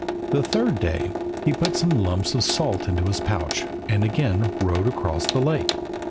The third day he put some lumps of salt into his pouch, and again rowed across the lake.